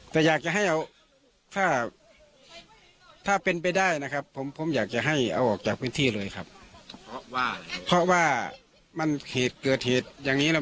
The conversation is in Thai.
จะให้เอาออกจากพื้นที่เลยครับเพราะว่ามันเหตุเกิดเหตุอย่างนี้แล้ว